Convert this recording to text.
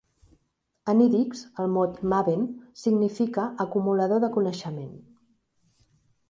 En ídix, el mot "maven" significa "acumulador de coneixement".